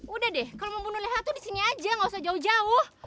udah deh kalo mau bunuh leha tuh disini aja gausah jauh jauh